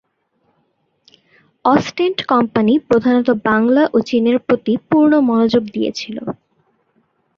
Ostend company প্রধানত বাংলা ও চীনের প্রতি পূর্ণ মনোযোগ দিয়েছিল।